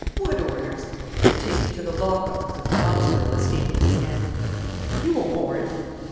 "What orders?" "To take you to the lockup if the Florence girl escaped us again." "Have you a warrant?"